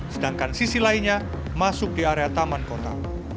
sedangkan sisi lainnya masuk di area taman kota